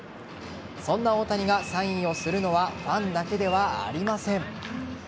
そんな大谷がサインをするのはファンだけではありません。